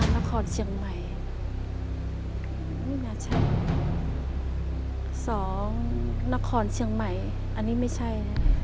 ๒นครเชียงใหม่อันนี้ไม่ใช่